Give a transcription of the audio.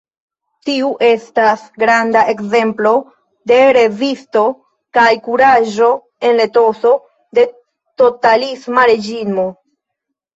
Tiu estas granda ekzemplo de rezisto kaj kuraĝo en la etoso de totalisma reĝimo.